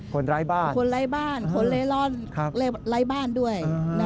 คนร้ายบ้านคนเล่อร่อนคนร้ายบ้านด้วย